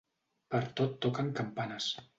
Per tot toquen campanes.